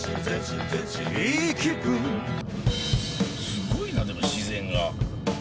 すごいなでも自然が。